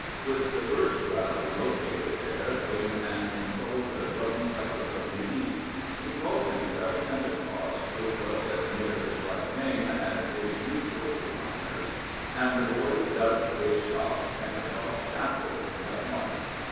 With the first crowd who located there came an insolvent rumseller from the East. He called himself Pentecost, which was as near his right name as is usual with miners, and the boys dubbed his shop "Pentecost Chapel" at once.